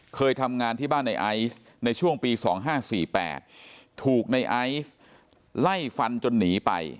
เคยทำงานที่บ้านในไอซ์ในช่วงปี๒๕๔๘ถูกในไอซ์ไล่ฟันจนหนีไป